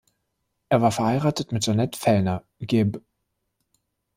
Er war verheiratet mit Jeanette Fellner, geb.